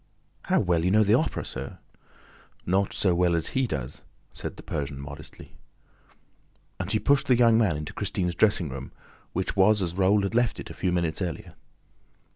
"How well you know the Opera, sir!" "Not so well as 'he' does!" said the Persian modestly. And he pushed the young man into Christine's dressing room, which was as Raoul had left it a few minutes earlier.